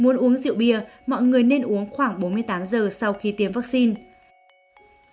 nếu muốn uống rượu bia mọi người nên uống khoảng bốn mươi tám giờ sau khi tiêm vaccine